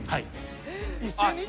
一斉に？